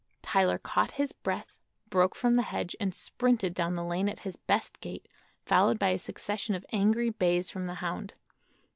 Tyler caught his breath, broke from the hedge and sprinted down the lane at his best gait, followed by a succession of angry bays from the hound.